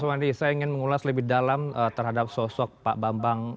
ya mas wandi saya ingin mengulas lebih dalam terhadap sosok pak bambang susantono